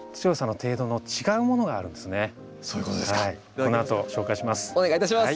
このあと紹介します。